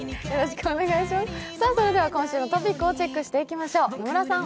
今週のトピックをチェックしていきましょう。